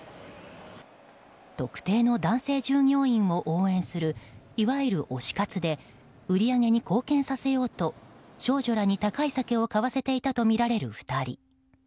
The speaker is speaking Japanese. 特定の男性従業員を応援するいわゆる推し活で売り上げに貢献させようと少女らに高い酒を買わせていたとみられる２人。